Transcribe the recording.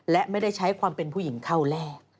และไม่ได้ใช้ความเป็นผู้หญิงเข้าแรก